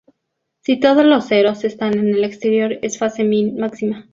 Si todos los ceros están en el exterior es fase máxima.